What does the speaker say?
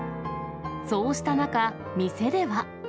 そうした中、店では。